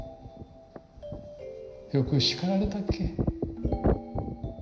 よく叱られたっけ。